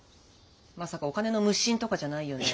まさかお金の無心とかじゃないよねえ。